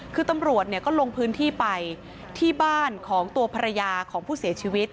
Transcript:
คือตำรวจก็ลงพื้นที่ไปที่บ้านของตัวภรรยาของผู้เสียชีวิต